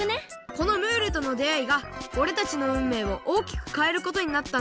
このムールとのであいがおれたちのうんめいをおおきくかえることになったんだ